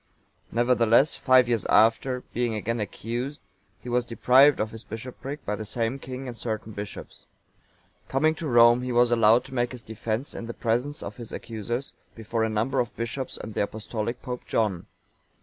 (919) Nevertheless, five years after, being again accused, he was deprived of his bishopric by the same king and certain bishops.(920) Coming to Rome,(921) he was allowed to make his defence in the presence of his accusers, before a number of bishops and the Apostolic Pope John.